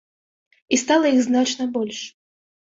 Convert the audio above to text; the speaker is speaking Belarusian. І стала іх значна больш.